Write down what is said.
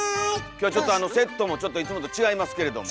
今日はちょっとあのセットもちょっといつもと違いますけれども。